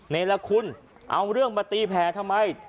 นี่แหละคุณเอาเรื่องมาตีแผลทำไม